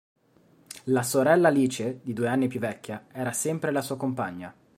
La sorella Alice, di due anni più vecchia, era sempre la sua compagna.